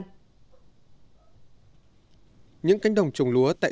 những cánh đồng chủng thầy đã đề ra những chủ trường cụ thể và những việc làm thiết thực